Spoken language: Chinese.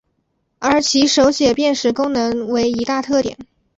而其手写辨识功能为一大特点。